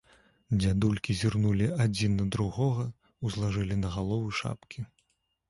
Дзядулькі зірнулі адзін на другога, узлажылі на галовы шапкі.